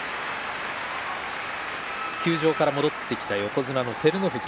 休場から戻ってきた横綱の照ノ富士